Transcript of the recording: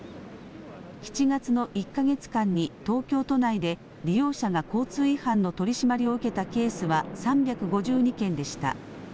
７月の１か月間に東京都内で利用者が交通違反の取締りを受けたケースは３５２件でした。